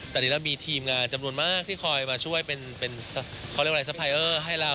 แต่นี่เรามีทีมงานจำนวนมากที่คอยมาช่วยเป็นสไพรเตอร์ให้เรา